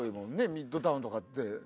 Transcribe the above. ミッドタウンとかって。